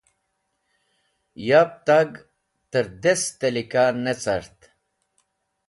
Yab tag tẽr dest tẽlika ne cart.